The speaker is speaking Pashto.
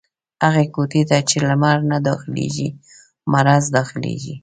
هغي کوټې ته چې لمر نه داخلېږي ، مرض دا خلېږي.